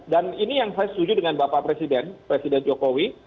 dan ini yang saya setuju dengan bapak presiden presiden jokowi